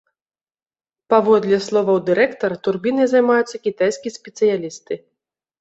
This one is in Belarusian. Паводле словаў дырэктара, турбінай займаюцца кітайскія спецыялісты.